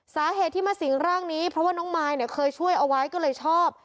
สาเหตุที่มาสิงร่างนี้เพราะว่าน้องมายเนี่ยเคยช่วยเอาไว้ก็เลยชอบ